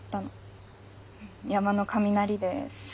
山の雷です